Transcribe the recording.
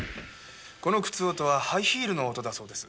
この靴音はハイヒールの音だそうです。